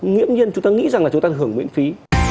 nghiễm nhiên chúng ta nghĩ rằng là chúng ta hưởng miễn phí